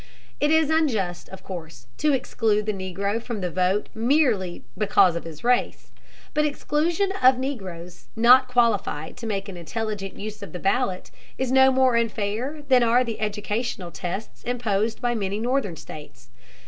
It is unjust, of course, to exclude the Negro from the vote merely because of his race. But exclusion of Negroes not qualified to make an intelligent use of the ballot is no more unfair than are the educational tests imposed by many northern states.